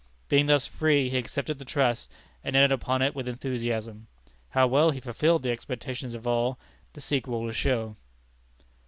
Being thus free, he accepted the trust, and entered upon it with enthusiasm. How well he fulfilled the expectations of all, the sequel will show.